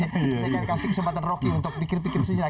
saya akan kasih kesempatan rocky untuk pikir pikir sinyal